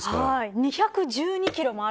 ２１２キロもある